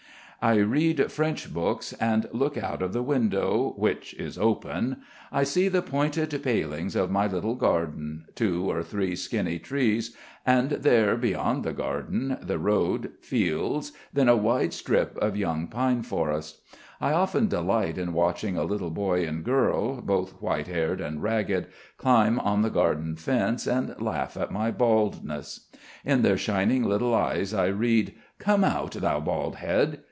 I read French books and look out of the window, which is open I see the pointed palings of my little garden, two or three skinny trees, and there, beyond the garden, the road, fields, then a wide strip of young pine forest. I often delight in watching a little boy and girl, both white haired and ragged, climb on the garden fence and laugh at my baldness. In their shining little eyes I read, "Come out, thou bald head."